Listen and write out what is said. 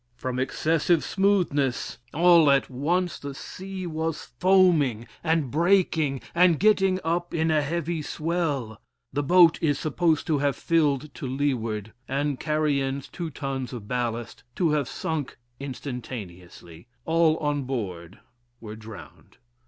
From excessive smoothness, all at once the sea was foaming, and breaking, and getting up in a heavy swell. The boat is supposed to have filled to leeward, and (carry ins: two tons of ballast) to have sunk instantaneously all on board were drowned.